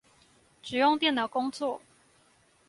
只用電腦工作